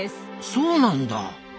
そうなんだ！